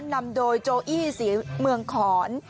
นำโดยโจอี้ศรีเมืองขอน